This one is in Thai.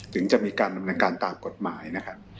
ถึงจะมีการดำเนินการตามกฎหมายนะครับ